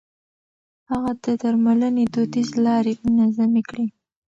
هغه د درملنې دوديزې لارې منظمې کړې.